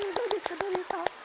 どうですか？